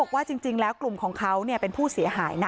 เขาบอกจริงแล้วกลุ่มของเขาเนี่ยเป็นผู้เสียหายนะ